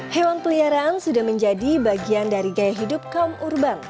hewan peliharaan sudah menjadi bagian dari gaya hidup kaum urban